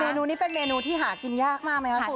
นูนี้เป็นเมนูที่หากินยากมากไหมครับคุณ